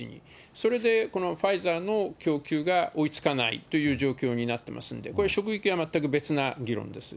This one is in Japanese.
それでファイザーの供給が追いつかないという状況になってますんで、これ、職域は全く別な議論です。